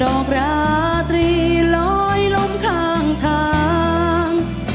ดอกราตรีลอยล้มข้างทาง